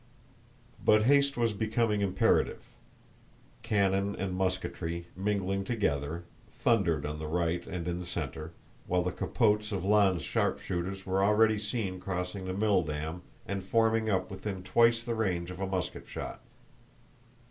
But haste was becoming imperative. Cannon and musketry, mingling together, thundered on the right and in the center, while the capotes of Lannes' sharpshooters were already seen crossing the milldam and forming up within twice the range of a musket shot.